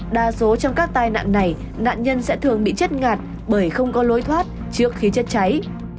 đa số trong các tai nạn này nạn nhân sẽ thường bị chết ngạt bởi không có lối thoát trước khi chết cháy